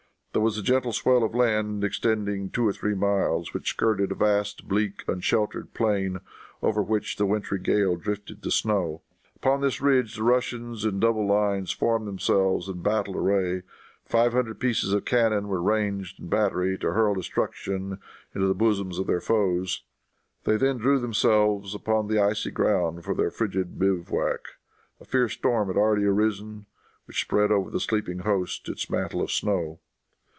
There was a gentle swell of land extending two or three miles, which skirted a vast, bleak, unsheltered plain, over which the wintry gale drifted the snow. Upon this ridge the Russians in double lines formed themselves in battle array. Five hundred pieces of cannon were ranged in battery, to hurl destruction into the bosoms of their foes. They then threw themselves upon the icy ground for their frigid bivouac. A fierce storm had already risen, which spread over the sleeping host its mantle of snow."